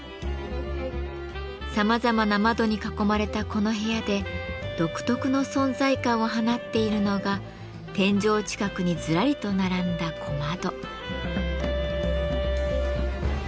さまざまな窓に囲まれたこの部屋で独特の存在感を放っているのが天井近くにずらりと並んだ小窓。